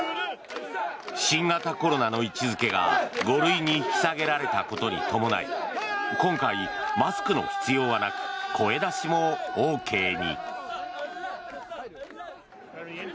新型コロナの位置付けが５類に引き下げられたことに伴い今回、マスクの必要はなく声出しもＯＫに。